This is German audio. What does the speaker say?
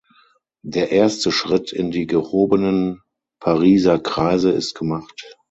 Der erste Schritt in die gehobenen Pariser Kreise ist gemacht.